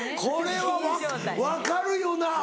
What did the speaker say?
これは分かるよな。